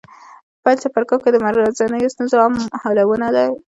په پیل څپرکو کې د ورځنیو ستونزو عام حلونه دي.